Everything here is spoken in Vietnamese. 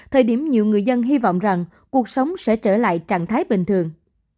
thời điểm nhiều người dân hy vọng rằng cuộc sống sẽ trở lại trạng thái bình thường